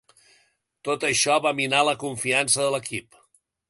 Tot això va minar la confiança de l'equip.